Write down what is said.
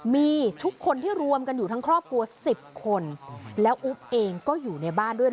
มีทุกคนที่รวมกันอยู่ทั้งครอบครัว๑๐คนแล้วอุ๊บเองก็อยู่ในบ้านด้วย